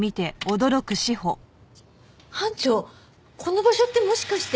班長この場所ってもしかして。